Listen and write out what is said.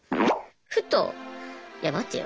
ふといや待てよ